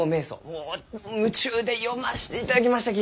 もう夢中で読ましていただきましたき！